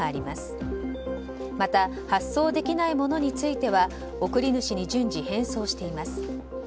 また発送できないものについては送り主に順次返送しています。